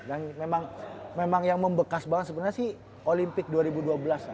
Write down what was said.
dan memang yang membekas banget sebenarnya sih olimpik dua ribu dua belas lah